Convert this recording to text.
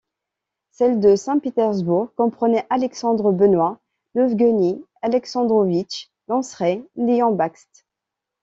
Celle de Saint-Pétersbourg comprenait Alexandre Benois, Ievgueni Alexandrovitch Lanceray, Léon Bakst.